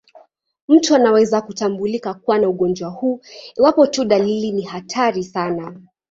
Mtu anaweza kutambulika kuwa na ugonjwa huu iwapo tu dalili ni hatari sana.